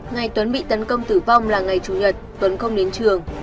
ngày tuấn bị tấn công tử vong là ngày chủ nhật tuấn không đến trường